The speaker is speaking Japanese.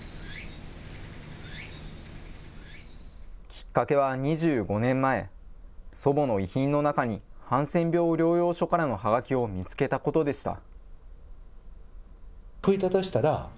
きっかけは２５年前、祖母の遺品の中にハンセン病療養所からのはがきを見つけたことでした。